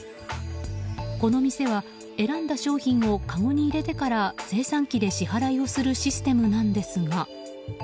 この店は選んだ商品をかごに入れてから精算機で支払いをするシステムなんですが。